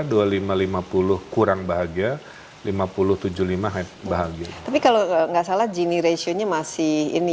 dua ribu lima ratus lima puluh kurang bahagia lima puluh tujuh puluh lima bahagia tapi kalau nggak salah gini ratio nya masih ini